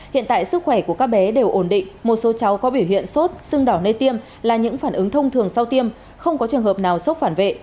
hiện tại sức khỏe của các bé đều ổn định một số cháu có biểu hiện sốt sưng đỏ nây tiêm là những phản ứng thông thường sau tiêm không có trường hợp nào sốt phản vệ